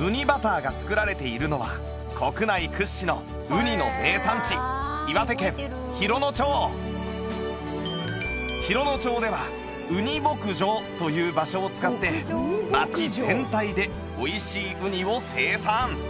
うにバターが作られているのは国内屈指のウニの名産地洋野町ではうに牧場という場所を使って町全体で美味しいウニを生産